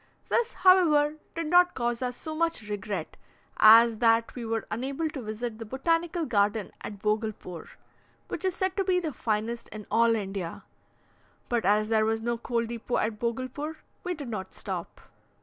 This, however, did not cause us so much regret, as that we were unable to visit the Botanical Garden at Bogulpore, which is said to be the finest in all India; but as there was no coal depot at Bogulpore, we did not stop.